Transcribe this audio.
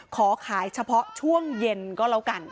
ขอขายเฉพาะช่วงเย็นก็แล้วกัน